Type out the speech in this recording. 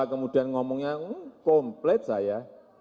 kemudian ngomongnya komplet saya